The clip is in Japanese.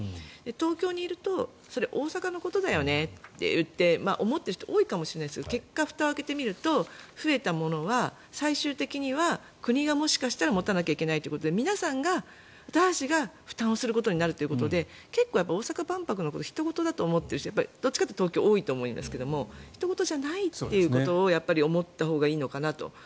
東京にいると大阪のことだよねって言って思っている人は多いかもしれませんが結果、ふたを開けてみると増えたものは最終的には国がもしかしたら持たなきゃいけないということで皆さんが、私たちが負担をすることになるということで結構、大阪万博のことひと事だと思っている人どっちかというと東京、多いと思うんですがひと事じゃないということを思ったほうがいいのかなと。